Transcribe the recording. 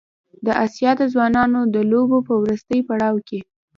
د اسیا د ځوانانو د لوبو په وروستي پړاو کې